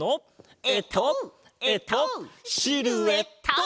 えっとえっとシルエット！